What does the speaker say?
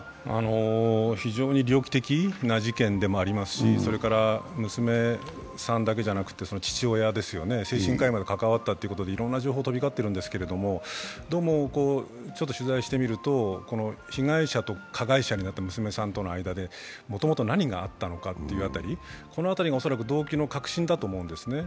非常に猟奇的な事件でもありますし、娘さんだけじゃなくてその父親、精神科医まで関わったということでいろんな情報飛び交っているんですけれども、どうも取材をしてみると被害者と加害者になった娘さんの間にもともと、何があったのかという辺り、この辺りが恐らく動機の核心だと思うんですね。